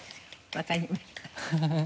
わかりました。